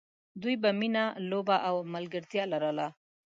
دوی به مینه، لوبه او ملګرتیا لرله.